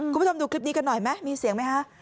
คุณผู้ชมดูคลิปนี้กันหน่อยไหมมีเสียงไหมคะ